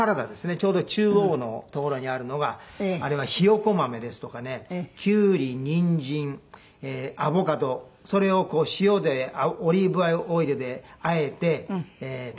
ちょうど中央の所にあるのがあれはひよこ豆ですとかねキュウリニンジンアボカドそれを塩でオリーブオイルであえて食べる。